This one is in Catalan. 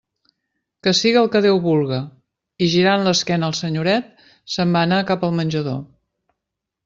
«Que siga el que Déu vulga»; i girant l'esquena al senyoret, se'n va anar cap al menjador.